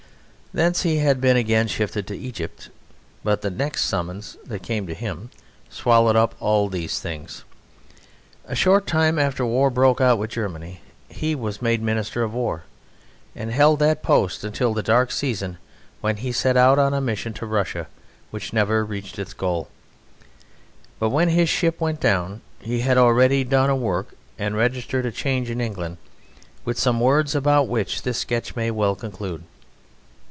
Thence he had been again shifted to Egypt; but the next summons that came to him swallowed up all these things. A short time after war broke out with Germany he was made Minister of War, and held that post until the dark season when he set out on a mission to Russia, which never reached its goal. But when his ship went down he had already done a work and registered a change in England, with some words about which this sketch may well conclude.